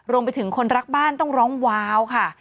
รวมไปถึงคนรักบ้านต้องร้องวาวค่ะ